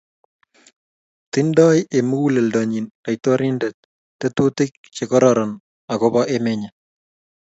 tingdoi eng' muguleldonyi laitoriande tetutik che kororon akobo emet nyin